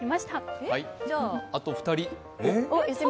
あと２人。